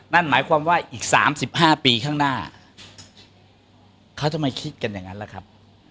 นั่นหมายความว่าอีกสามสิบห้าปีข้างหน้าเขาจะไม่คิดกันอย่างนั้นแหละครับ